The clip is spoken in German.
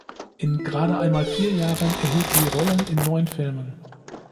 In gerade einmal vier Jahren erhielt sie Rollen in neun Filmen.